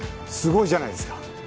すごいじゃないですか！